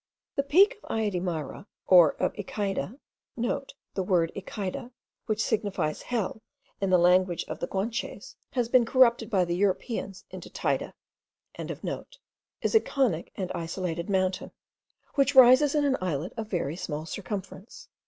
The peak of Ayadyrma, or of Echeyde,* (* The word Echeyde, which signifies Hell in the language of the Guanches, has been corrupted by the Europeans into Teyde.) is a conic and isolated mountain, which rises in an islet of very small circumference.